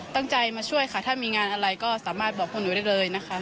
ตั้งใจมาช่วยค่ะถ้ามีงานอะไรก็สามารถบอกพวกหนูได้เลยนะคะ